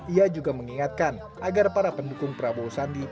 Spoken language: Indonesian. ia juga mengingatkan agar para pendukung prabowo sandi